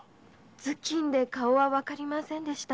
頭巾で顔はわかりませんでした。